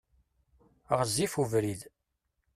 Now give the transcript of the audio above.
Ɣezzif ubrid.